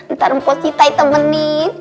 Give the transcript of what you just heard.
ntar mpok citai temenin